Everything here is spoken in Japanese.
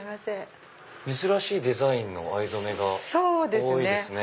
珍しいデザインの藍染めが多いですね。